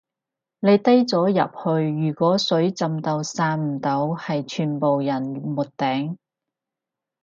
你低咗入去如果水浸到散唔到係全部人沒頂